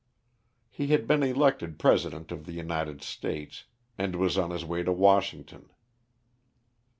He had been elected President of the United States, and was on his way to Washington.